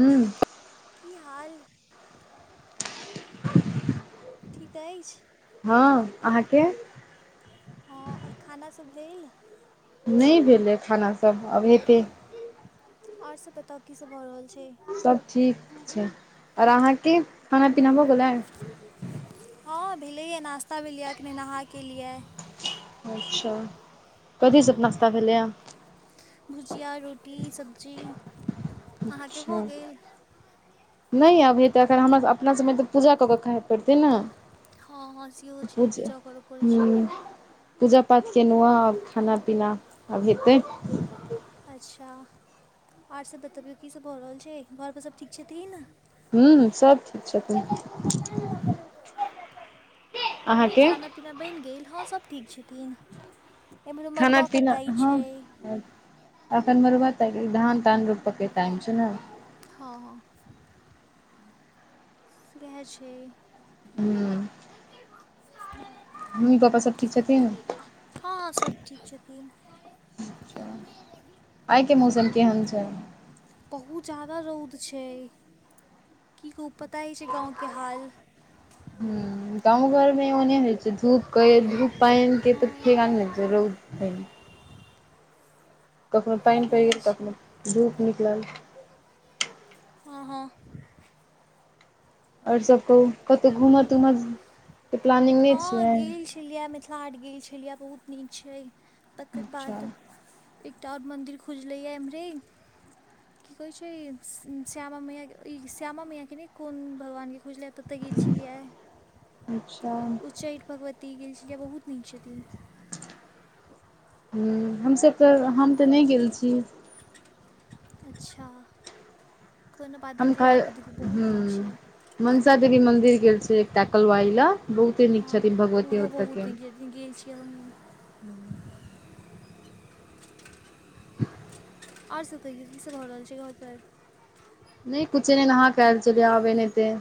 उं कि हाल? ठीक अइछ? हॉं, अहाँके? हॉं, और खानासभ भेल? नहि भेलै खानासभ। अब हेतै। और सब बताउ, कि सब भऽ रहल छै? सब ठीक छै, और अहाँके खाना पीना होऽ गेलै? हॉं भेलै या, नास्ता भेलिए। अखने नहा के एलिए हे। अच्छा, कथी सब नश्ता भेलैय? भुजिया, रोटी, सब्जी अहाँके अच्छा भऽ गेल नहि आब हेतै। एखन हमरा अपना सभमे तऽ पूजा कऽ के खाइ पड़तै ने। हॉं-हॉं सेहो छै, पूजा करऽ पड़ै हूँ छै। पूजा पाठ केलहुँ अहॉं, आब खाना पीना आब हेतै। अच्छा, आर सभ बतबियौ कि सभ भऽ रहल छै। घरपर सभ ठीक छथिन? हुं, सब ठीक छथिन। आर अहाँके खाना पीना बनि गेल? हॉं, सभ ठीक छथिन। एम्हरो मरुआ कटाइ छै। अखन मरुआ त धान तान रोपऽ के टाइम छै ने। हॉं, [unintelligible] छै। हूँ। मम्मी पापा सब ठीक छथिन? हं-हं, सभ ठीक छथिन। आइ के मौसम केहन छैन? बहुत जादा रौउद छै। कि कहु पता अइछ गाँवके हाल? ह गाँव घरमे ओने होइ छै। धूप कहियो- धूप पानिके हँ तऽ [unintelligible] नहि छै। रौउद कखनो पानि पड़ि सएह गेल, छै कखनो धूप निकलल। हं-हं और सब कहू? कतौ घूमऽ तुमऽ के प्लानिंग नहि हॉं छियै गेल छलियै य, मिथिला हाट गेल छलियै य, बहुत नीक छै। तक्कर अच्छा बाद एकटा और मन्दिर खुजलै य एम्हरे। कि कहै छै, श्- श्यामा मैया, ई श्यामा मैयाके नहि, कोन भगवानके खुजलै या, ततऽ गेल छलियै। अच्छा उच्चैठ भगवती गेल छलियै। बहुत नीक छथिन। हुं, हमसब तऽ, हम त नहि गेल छी। अच्छा, कोनो बाद हम नै खा [unintelligible] बहुत ह नीक छै। मनसा देवी मंदिर गेल छै एकटा कलवाही लग, बहुते नीक हँ छथिन भगवती ओहो ओतऽ बहुत के। नीक गेल छियै हमहूँ। [inaudible] आर सभ कहियौ, किसभ भऽ रहल छै घर पर? नै कुछे नै नहा क आएल चलियै आबे ने हेतै।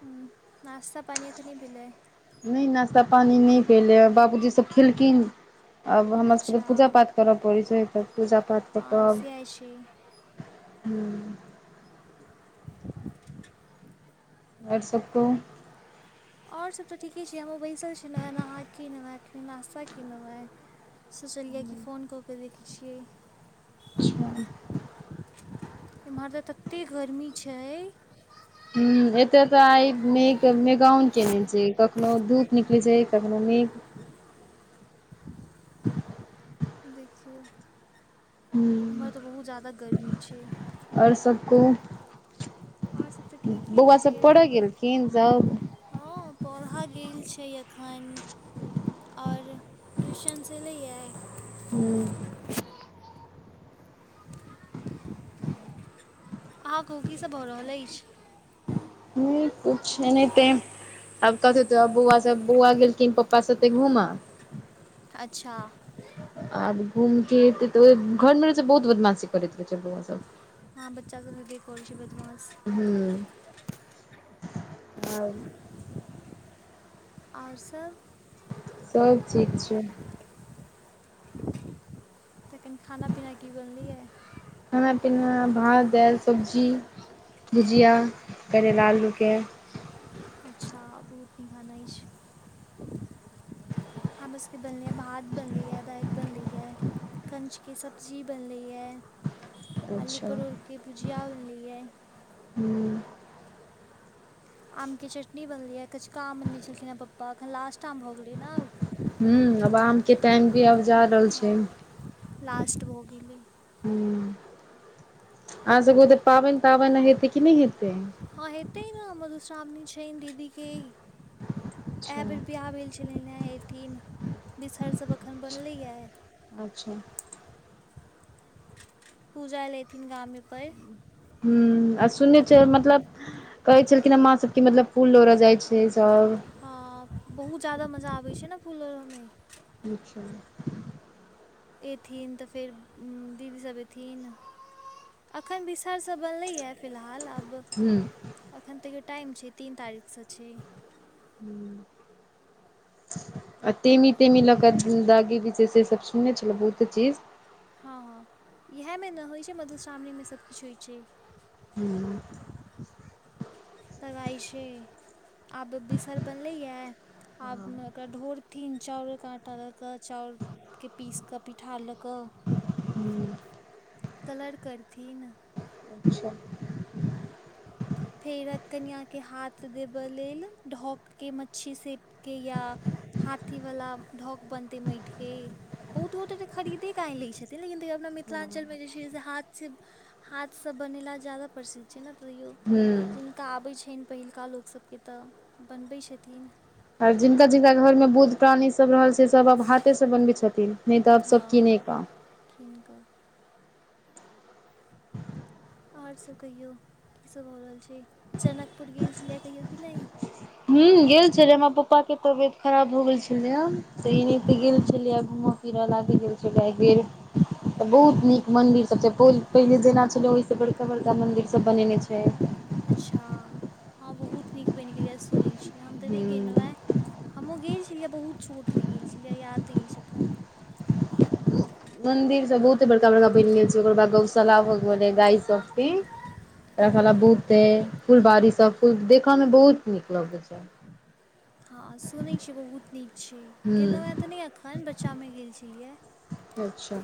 हुंह नास्ता पानि अखैन नै भेलै? नै नाश्ता पानि नै भेलैय बाबूजी सब खेलखिन आब हमरा सबके तऽ अच्छा पूजा पाठ करऽ पड़ै छै तऽ पूजा पाठ कऽ कऽ हँ आब से आइ छै हूं [unintelligible] और सब कहू? और सब तऽ ठीके छै हमहूँ बैसल छी न नहा के- नहा के नाश्ता केलौं हें। सोचलियै कि फोन कऽ के देखै छियै। ह इम्हर त तत्ते गर्मी छय हूॅं एतऽ तऽ आइ मे- मेगाउन केने छै कखनो धूप निकलै छै कखनो मेग देखियौ। एमहर तऽ बहुत ज्यादा गर्मी छै। और सब कहू आओर सब तऽ ठीके बौवा छै सब पढ़य हमहूँ बै गेलखिन सब? हँ पढ़ऽ गेल छै एखनि। और ट्यूशन सँ एलैये हूँ। अहाँ कहूं की सब भऽ रहल अइछ? कुछ नै टाइम आब कथि त बौवा सब बौवा गेलखिन पप्पा साते घूमऽ अच्छा। आब घूमती त ओइ घरमे रहै छैबहुत बदमाशी करैत रहै छै बौवा सब। हँ बच्चा सबके देख रहल छियै बदमाश। हूँ आ और सब? सब ठीक छै। तखैन खाना - पीना की बनलैये? खाना- पीना भात, दालि, सब्जी भुजिया करैला आलू के। अच्छा बहुत नीक खाना अइछ हमरो की बनलैये भात बनलैये दालि बनलैैये कन्चके सब्जी बनलैैये। आलू अच्छा परोर के भुजिया बनलैये। हूँ। आमके चटनी बनलैये कचका आम अनने छलखिन हँ पप्पा एखन लास्ट आम भऽ गेलै नऽ। हूॅं आब आम के टाइम भी आब जा रहल छै। हँ लास्ट भऽ गेलै। हूॅं अहां सब क ओतऽ पाबनि- ताबनि हेतै की नै हेतै? हँ हेतेै ने मधुश्रामणी छैन दीदी के। एहेए अच्छा बेर बियाह भेल छलनि हें एथिन। बिसहर सब अखन बनलैये। अच्छा। पूजा ले एथिन गामे पर। हूॅं आ सुनने छियै मतलब कहै छलखिन हे माँ सब कि मतलब फूल लोड़ऽ जाइ छै सब हँ, बहुत जादा मजा आबैत छै ने, फूल लोरहयमे। अच्छा! अथिन तऽ, फेर दीदीसभ अथिन। अखन बिसहर सब बनलै यए, फिलहाल आब हूँ। एखन ताईयो टाइम छै, तीन तारीखसँ छै। हूँ। आ तेमी- टेमी ल क दागी वि सब सुनने छल बहुते चीज। हँ -हँ इएहमे नहि होइत छै, मधुश्रावणीमे सभकिछु होइत छै। हूॅं। तइ छै, आब बिसहर बनलैयऽ, आब ओकरा ढोर थिन चाउर कऽ आंटा लऽ, के चाउर के पीस कऽ, पिठार लऽ कऽ। हूं [inaudible] कलर करथिन। अच्छा! [unintelligible] फेर कनियाके हाथ देबय लेल, ढकिके मच्छी से कि या हाथी वला ढ़क बनतै माटि के, बहुत गोटे त खरीदे क आनि लै छथिन, लेकिन तैयो अपना मिथिलांचलमे जे छै से, हाथसँ हाथसँ बनेलहा बेसी प्रसिद्ध छै ने, तैयो हू। जिनका अबै छनि पहिलुका लोक सभके तऽ, बनबै छथिन। आर जिनका -जिनका घर मे, बुढ़ प्राणी सब रहल छथिन। त सब आब हाथे से बनबै छथिन, नहि तऽ आब सब कीने के। किनकऽ। आओर सभ कहियौ, कीसभ भऽ रहल छै, जनकपुर गेल छलियै कहियौ कि नहि? हॅं, गेल छलियै, हमर पप्पा के तबियत खराब भ गेल छलैए। तऽ एनहिते हँ गेल छलियै, घूमय- फिरऽ लाथे गेल छलियै, आ गेल तऽ बहुत नीक मंदिर सब छै, पहिने जेना छलै ओहिसँ बड़का -बड़का मंदिर सब बनेने छै‌। अच्छा! हँ, बहुत नीक बनि गेलैए सुनैत छी। य हम तऽ नहि गेलहुँ हूँ हँ, हमहूँ गेल छलियै बहुत छोटमे गेल छलियै, याद नहि अछि अखन। मंन्दिर सब बहुते बड़का- बड़का बनि गेल छै, ओकर बाद गौशाला भऽ गेलै, गाय सबके। गौशाला हँ बहुते, फूल बारी सब, फूल देखय मे बहुत नीक लगैत छै। हँ सुनैत छियै बहुत नीक छै, गेलहुँ हँ हूँ तऽ नहि एखन, बच्चामे गेल छलियैए। अच्छा!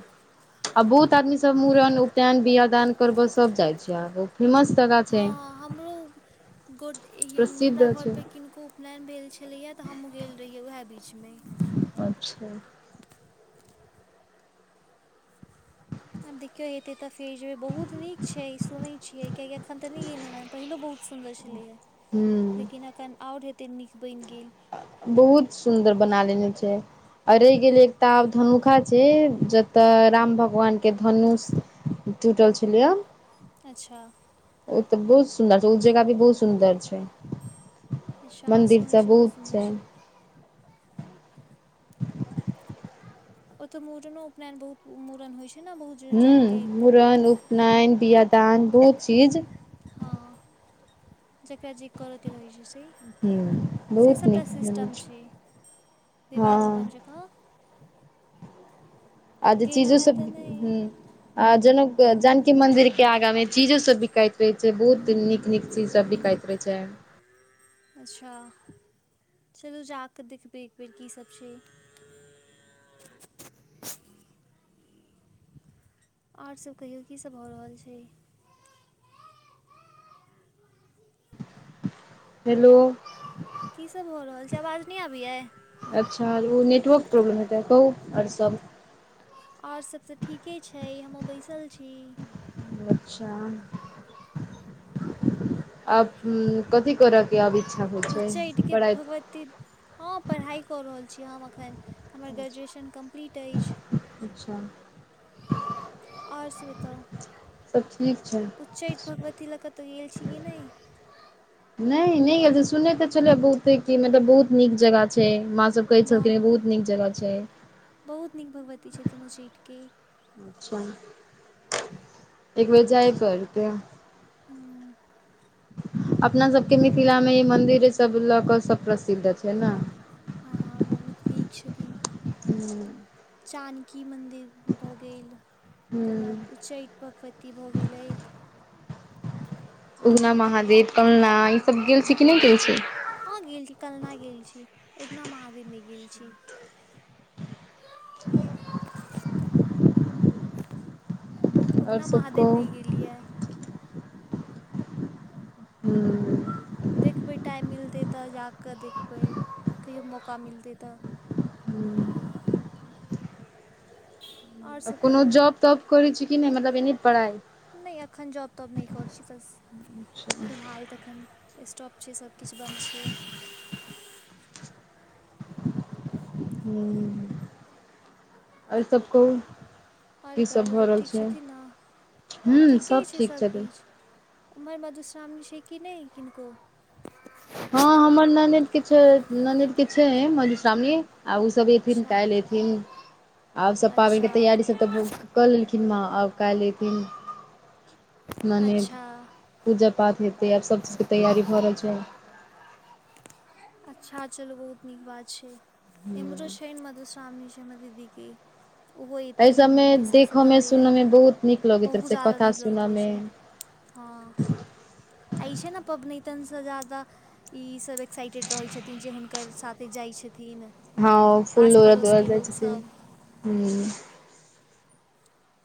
आ बहुत आदमी सब, मूड़न, उपनयन, बियाह दान करबह सभ जाइ छै, आ फेर [unintelligible] हँँ हमरो गोटे, प्रसिद्ध हमरा घर छै पर किनको उपनयन भेल छलैये तऽ, हमहुँ गेल रहियै, वएह बीच मे। अच्छा! अब देखियौ एतै तऽ अइ बीच मे, बहुत नीक छै, सुनैत छियै, कियाकि अखन तऽ नहि गेलहुँ हें, पहिलो बहुत सुन्दर छलैएा हूँ। लेकिन एखन आओर हेतै नीक बनि गेल। बहुत सुन्दर बना लेने छै। आ रहि गेलै, एकटा आब धनुषा छै, जतय राम भगवान के धनुष टूटल छलैए। अच्छा। ओ तऽ बहुत सुन्दर छै ओ जगह भी बहुत सुन्दर छै अच्छा अहाँ मन्दिर सुनै छियै सब बहुत सुन्दर छै। ओतऽ मूड़नो उपनयन बहुत मूड़न होइ छै ने बहुत। हूं जनके मुड़न उपनयन बियाह दान बहुत। चीज हँ जेकरा जे करय के रहै छै से। हूँ से बहुत नीक सभटा भेल सिस्टम छै विवाह भवन हँ जकाँ। आब चीजो गेलहुँ हँ सब तऽ हूं। नहि आ जनक जानकी मंदिर के आगां में चीजो सब बिकाइत रहय छै बहुत नीक नीक चीज सब बिकाइत रहय छै। अच्छा चलू जाकऽ देखबै एक बेेर की सब छै। आओर सभ कहियौ की सभ भऽ रहल छै? हेलो। की सब भऽ रहल छै? आवाज नहि आबैए? अच्छा आर ओ नेटवर्क प्रॉब्लम हेतै कहू आओर सब? आओर सब त ठीके छै, हमहुँ बैसल छी। अच्छा आ [unintelligible] कथी करयके आब इच्छा होइ छै? उच्चैठके पढ़ाइ। [inaudible] हँ पढ़ाइ कऽ रहल छी हम एखन हमर ग्रेजुएशन कम्प्लीट अछि। अच्छा। आओर सब बताउ सब ठीक छै उच्चैठ भगवती लए कतहु गेल छी कि नहि? नहि -नहि गेल छै सुनने त छलिये कि बहुते की, मतलब बहुत नीक जगह छै है मां सब कहै छलखिन वाह बहुत नीक जगह छई। बहुत नीक भगवती छथि उच्चैठ के। अच्छा। एक बेर जाई पड़ तई। हँ अपना सबके मिथिला मे ई मंन्दिर सब लऽ, कऽ सब प्रसिद्ध छई न? हँ बहुत नीक छथिन हूँ जानकी मन्दिर। भऽ, गेल ओकर हूँ बाद उच्चैठ भगवती भऽ, गेलथि। उगना महादेव कलना ईसभ हँ गेल छी उगना कि नहि गेल महादेव छी? बहुत हँ गेल छी कल्ना गेल छी, उगना महादेव नहि गेल छी। आओर उगना सब महादेव कहू नहि गेलियै। हू। देखबै टाइम मिलतै तऽ, जा कऽ, देखबै कहियो मौका मिलतै तऽ। हू आओर सभ कोनो कहियौ जॉब तॉब करै छी कि नहि मतलब एने पढ़ाइ? नहि एखन जॉब तॉब नहि करै छी बस फिलहाल तखन स्टॉप छै सबकिछु बन्द छैई। हु ओर सब कहु? आओर घरमे सभ ठीक छथिन न? हूँ ठीके सब छै ठीक छथिन सभकिछ। उमहर मधुश्रावनी छै कि नहि किनको? हँ हमर ननद किछ ननद के छै मधुश्रावणी आउ सब अथिन अच्छा काल्हि अएथिन। और सब पाबनिके अच्छा तैयारीसब तऽ कऽ लेलखिन माँ आब काल्हि एथिन। ननैद अच्छा पूजा पाठ हेतै आब सभ चीजके तैयारी भऽ रहल छई। अच्छा चलू बहुत नीक बात छै इमहरो स मधुश्रामण से छै हमर दीदी के। ओहो एहि एथिन सभमे विषयसँ देखयमे बनलैए सुनयमे बहुत नीक लगैत रहै बहुत छै ज्यादा कथा नीक लगैत रहय सुनयमे छै। हँ इ छै ना पबनैतन सँ जादा ईसब एक्साइटेड रहैत छथिन जे हुनकर साथे जाय छथिन। हँ फुल आस लोरहऽ तोरहऽ पड़ोसके जाई लोकसभ छथीन।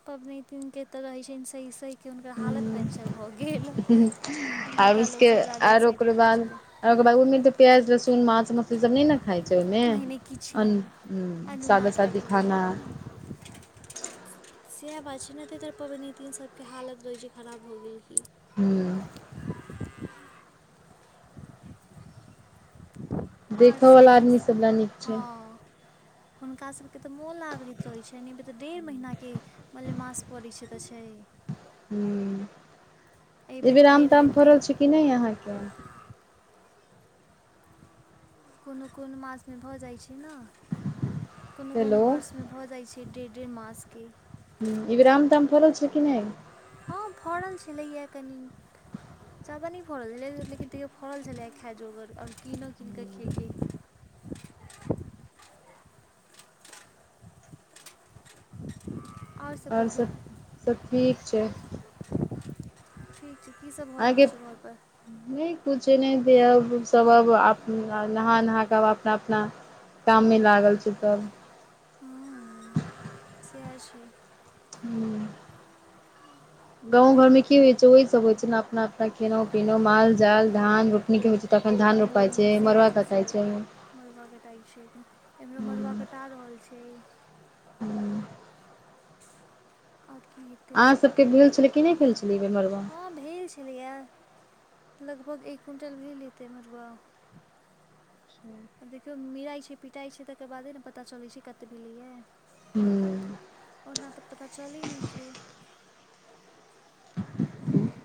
पबनैतीन के त रहय छैन सैह सैह कि हुनकर हालत पेन्शर भऽ गेल आर इम्हरका लोक उसके सब ज्यादे आर ओकर एक्साइटेड रहै बाद छथिन। ओकर बाद ओ मे त प्याज लहसुन मांस मछली सब नहि ने खाई छै ने नहि नहि किछु अन नहि मे अनोना सादा खाय सादी खाना। सैह बात छै ने तय दुवारे पबनैतिन सबके हालत रहैय छै खराब भऽ गेल की। हूँ। और देखऽ सब वाला आदमी किसब? सब लए नीक छै हँ। हुनका सभके तऽ मोन लागैत रहैय छनि एहि बेर तऽ डेढ़ महीनाक के। मलेमास परई छै तऽ छई। हु अइ बेर आम फेर ताम हेतै फड़ल छै कि नहि अहाँके। कोनो कोनो मास मे भऽ जाइ छै ने कोनो कोनो हेलो वर्ष मे भऽ जाइ छ डेर डेर मास के। हु इबेर आम ताम फरल छै कि नहि। हँ फऽड़ल छैलैया कनीक। ज्यादा नहि फड़ल छलै लेकिन तैयो फड़ल छलै खाय जोगर और कीनो कीन कऽ खेलीयै। आओर सभ और कहियौ सब सब ठीक छै। ठीक छै, की सब भऽ रहल अहाँके छै घर पर? नहि कुछे नहि दे अब सब अब नहा नहा कऽ आब अपना अपना काम मे लागल छै सब। हुम्म से छै। ह्म्म। गाँंव घर में की होइ छै ओह सब होइ छै ने अपना अपना खेेलो पीनौ माल जाल धान रोपनी के होइ छै। तखन धान रोपयै छैे मरुआ कातैय छै। मरुआ कटाइ छै एम्हरो मरुआ कटा रहल छै। हु। आर कि हेतै अहाँ सभके भेल छलै कि नहि भेल छलै इ बेर मरूआ। हँ भेल छलैया लगभग एक क्विंटल भेल हेतै मड़ुआ। ह आ देखियौ मिराइत छै पिटाइ छै तकर बादे ने पता चलैत छै कतै भलैया। हुं। ओना तऽ पता चलै नहि छै।